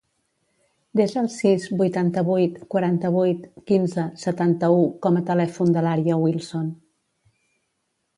Desa el sis, vuitanta-vuit, quaranta-vuit, quinze, setanta-u com a telèfon de l'Ària Wilson.